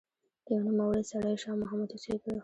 يو نوموړی سړی شاه محمد اوسېدلو